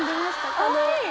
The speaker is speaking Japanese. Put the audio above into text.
かわいい！